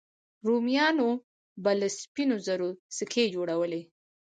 رومیانو به له سپینو زرو سکې جوړولې